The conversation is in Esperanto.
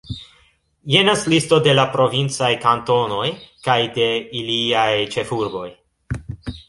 Jenas listo de la provincaj kantonoj kaj de iliaj ĉefurboj.